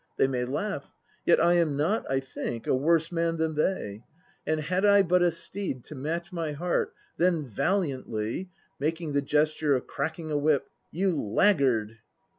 They may laugh, yet I am not, I think, a worse man than they; and had I but a steed to match my heart, then valiantly (making the gesture of cracking a whip) you ird!